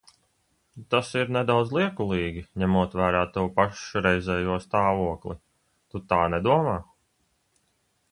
Tas ir nedaudz liekulīgi, ņemot vērā tavu pašreizējo stāvokli, tu tā nedomā?